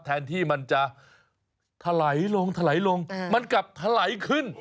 แทนที่มันจะทะไหลลงมันกลับทะไหลขึ้น